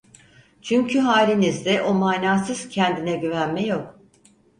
Çünkü halinizde o manasız kendine güvenme yok…